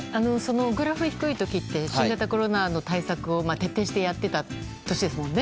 グラフ低い時って新型コロナの対策を徹底してやっていた年ですもんね。